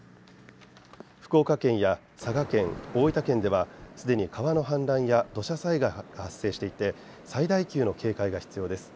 福岡県や佐賀県、大分県ではすでに川の氾濫や土砂災害が発生していて最大級の警戒が必要です。